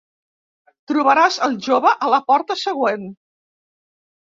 Trobaràs al jove a la porta següent.